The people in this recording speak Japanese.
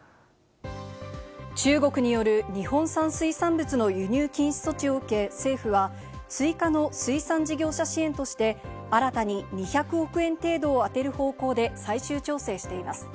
中国による日本産水産物の輸入禁止措置を受け、政府は追加の水産事業者支援として新たに２００億円程度を充てる方向で最終調整しています。